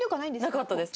なかったです。